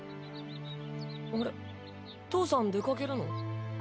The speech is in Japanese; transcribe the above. あれ父さん出かけるの？